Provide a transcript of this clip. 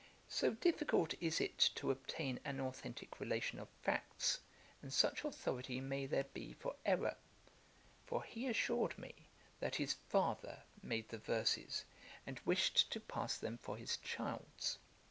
So difficult is it to obtain an authentick relation of facts, and such authority may there be for errour; for he assured me, that his father made the verses, and wished to pass them for his child's.